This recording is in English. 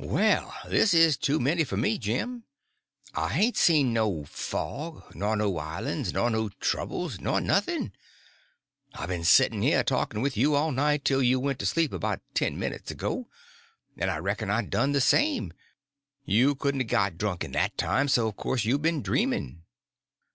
"Well, this is too many for me, Jim. I hain't seen no fog, nor no islands, nor no troubles, nor nothing. I been setting here talking with you all night till you went to sleep about ten minutes ago, and I reckon I done the same. You couldn't a got drunk in that time, so of course you've been dreaming."